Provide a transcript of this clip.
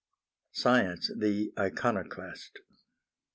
SCIENCE, THE ICONOCLAST.